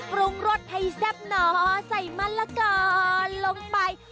ปรุงรสให้แซ่บหน่อใส่มะละกอลงไป